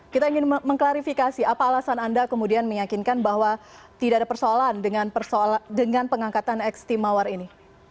kita ingin mengklarifikasi apa alasan anda kemudian meyakinkan bahwa tidak ada persoalan dengan pengangkatan x team mawar ini